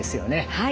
はい。